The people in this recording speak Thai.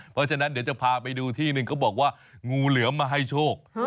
เพราะฉะนั้นเดี๋ยวจะพาไปดูที่หนึ่งเขาบอกว่างูเหลือมมาให้โชค